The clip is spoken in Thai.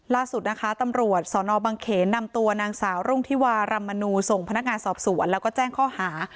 ล่าสุดนะคะตำรวจสนบังเขนนำตัวนางสาวรุ่งธิวารำมนูส่งพนักงานสอบสวนแล้วก็แจ้งข้อหา